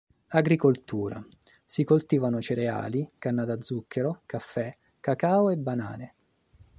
Agricoltura: si coltivano cereali, canna da zucchero, caffè, cacao e banane.